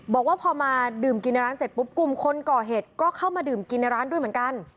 บอกว่าพอมาดื่มกินในร้านเสร็จปุ๊บกลุ่มคนก่อเหตุก็เข้ามาดื่มกินในร้านด้วยเหมือนกัน